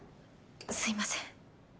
すいません。